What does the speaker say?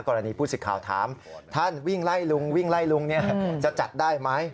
ก่อนหน้านี้พูดสิทธิ์ข่าวถามท่านวิ่งไล่ลุงวิ่งไล่ลุงจะจัดได้ไหม